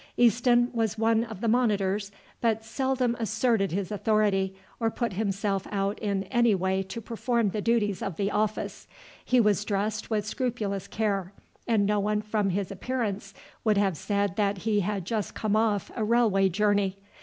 Easton was one of the monitors, but seldom asserted his authority or put himself out in any way to perform the duties of the office. He was dressed with scrupulous care, and no one from his appearance would have said that he had just come off a railway journey.